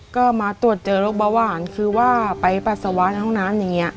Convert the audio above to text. ก็มาตรวจเจอโรคเบาหวานคือว่าไปปัสสาวะในห้องน้ำอย่างนี้